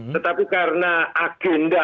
tetapi karena agenda